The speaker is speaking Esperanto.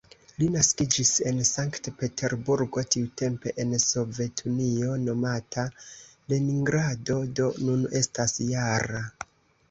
Li naskiĝis en Sankt-Peterburgo, tiutempe en Sovetunio nomata Leningrado, do nun estas -jara.